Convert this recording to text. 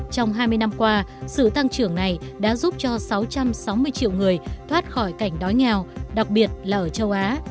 trong hai mươi năm qua sự tăng trưởng này đã giúp cho sáu trăm sáu mươi triệu người thoát khỏi cảnh đói nghèo đặc biệt là ở châu á